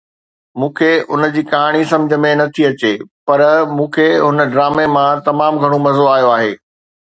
مون کي ان جي ڪهاڻي سمجهه ۾ نه ٿي اچي پر مون کي هن ڊرامي مان تمام گهڻو مزو آيو آهي